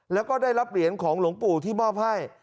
แล้วก็ได้รับเหรียญของหลวงปู่ที่มอบให้